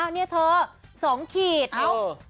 นี่เธอสองกี่ชีวิต